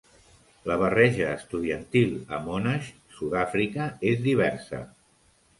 La barreja estudiantil a Monash, Sud-àfrica, és diversa.